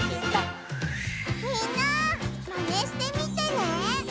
みんなマネしてみてね！